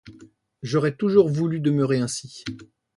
J’aurais toujours voulu demeurer ainsi.